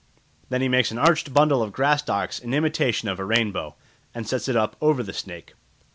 Then he makes an arched bundle of grass stalks in imitation of a rainbow, and sets it up over the snake.